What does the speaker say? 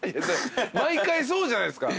毎回そうじゃないですか。